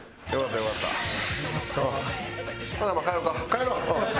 帰ろう。